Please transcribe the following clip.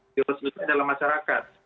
diurus urusnya adalah masyarakat